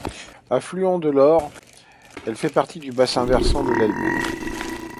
Affluent de l'Ohře, elle fait partie du bassin-versant de l'Elbe.